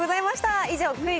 以上、クイズ！